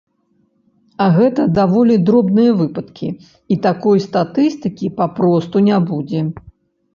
А гэта даволі дробныя выпадкі, і такой статыстыкі папросту не будзе.